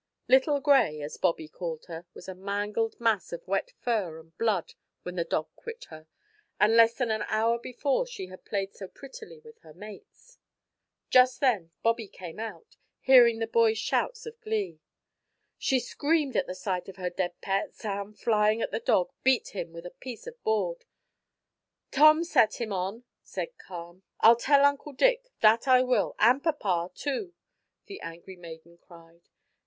Little Gray (as Bobby called her) was a mangled mass of wet fur and blood when the dog quit her, and less than an hour before she had played so prettily with her mates. Just then Bobby came out, hearing the boys' shouts of glee. She screamed at sight of her dead pets, and, flying at the dog, beat him with a piece of board. "Tom set him on," said Carm. "I'll tell Uncle Dick, that I will, and papa, too," the angry maiden cried.